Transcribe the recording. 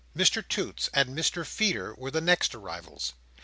Mr Toots and Mr Feeder were the next arrivals.